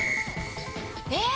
えっ？